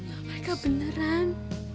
ya mereka beneran